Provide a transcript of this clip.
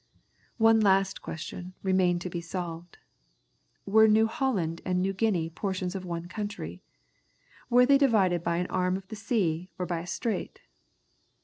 One last question remained to be solved, Were New Holland and New Guinea portions of one country? Were they divided by an arm of the sea, or by a strait?